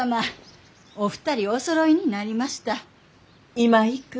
今行く。